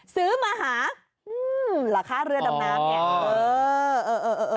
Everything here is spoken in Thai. ซื้อมาหาราคาเรือดำน้ำโอ้โห